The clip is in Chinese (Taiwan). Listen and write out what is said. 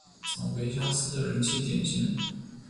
找回消失的人氣點心